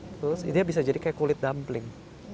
terus dia bisa jadi kayak kulit dumpling